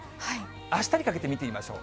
あしたにかけて見てみましょう。